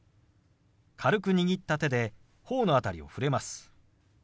軽く握った手で頬の辺りを触れます。